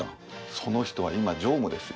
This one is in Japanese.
その人は今常務ですよ。